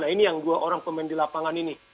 nah ini yang dua orang pemain di lapangan ini